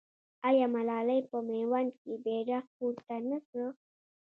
آیا ملالۍ په میوند کې بیرغ پورته نه کړ؟